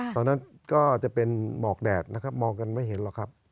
ตอนนั้นก็จะเป็นหมอกแดดนะครับมองกันไม่เห็นหรอกครับ